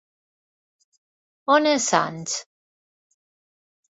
On és Sants?